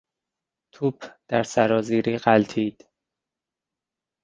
توپ در سرازیری غلتید.